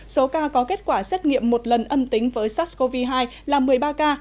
số ca có kết quả xét nghiệm một lần âm tính với sars cov hai là một mươi ba ca